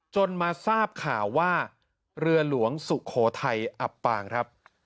จนมาทราบข่าวว่าเรือหลวงสุโขทัยอับปางครับ